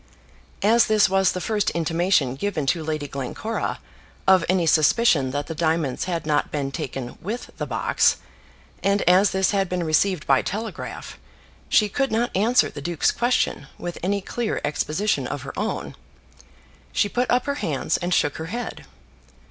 As this was the first intimation given to Lady Glencora of any suspicion that the diamonds had not been taken with the box, and as this had been received by telegraph, she could not answer the duke's question with any clear exposition of her own. She put up her hands and shook her head.